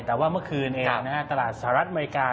แต่ว่าเมื่อคืนเองตลาดสหรัฐอเมริกา